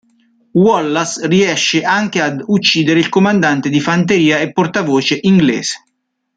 Wallace riesce anche ad uccidere il comandante di fanteria e portavoce inglese.